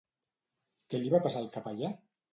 Què li va passar al capellà?